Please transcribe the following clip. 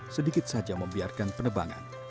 sedikit saja membiarkan penebangan